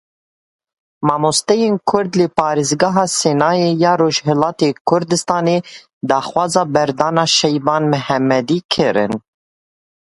Mamosteyên Kurd li parêzgeha Sineyê ya Rojhilatê Kurdistanê daxwaza berdana Şeiban Mihemedî kirin.